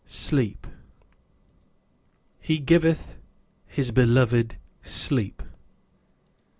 Sleep He giveth His Beloved Sleep.